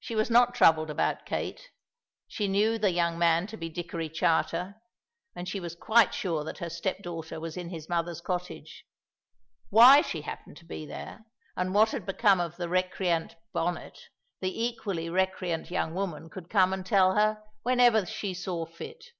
She was not troubled about Kate. She knew the young man to be Dickory Charter, and she was quite sure that her step daughter was in his mother's cottage. Why she happened to be there, and what had become of the recreant Bonnet, the equally recreant young woman could come and tell her whenever she saw fit.